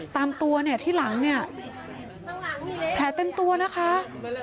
ตามตัวเนี่ยที่หลังเนี่ยแผลเต็มตัวนะคะ